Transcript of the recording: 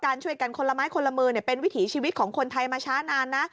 ช่วยกันคนละไม้คนละมือเป็นวิถีชีวิตของคนไทยมาช้านานนะ